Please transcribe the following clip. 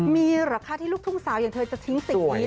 มีเหรอคะที่ลูกทุ่งสาวอย่างเธอจะทิ้งสิ่งนี้